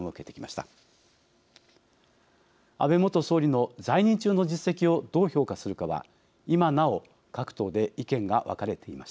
安倍元総理の在任中の実績をどう評価するかは今なお各党で意見が分かれていました。